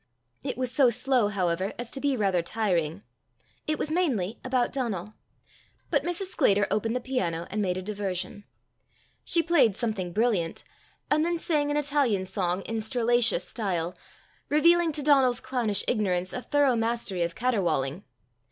It was so slow, however, as to be rather tiring. It was mainly about Donal. But Mrs. Sclater opened the piano, and made a diversion. She played something brilliant, and then sang an Italian song in strillaceous style, revealing to Donal's clownish ignorance a thorough mastery of caterwauling.